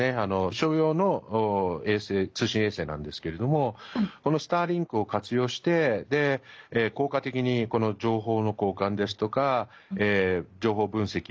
商用の衛星通信衛星なんですけれどもこのスターリンクを活用して効果的に情報の交換ですとか情報分析